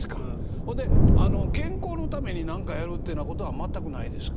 ほんで健康のために何かやるっていうようなことは全くないですか？